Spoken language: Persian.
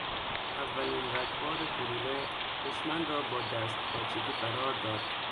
اولین رگبار گلوله دشمن را با دستپاچگی فرار داد.